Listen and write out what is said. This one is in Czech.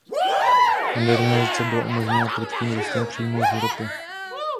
Modernizace byla umožněna prudkým růstem příjmů z ropy.